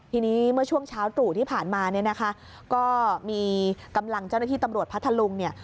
ทีนี้เมื่อช่วงเช้าตรู่ที่ผ่านมาเนี่ยนะคะก็มีกำลังเจ้าหน้าที่ตำรวจพัทธลุงเนี่ย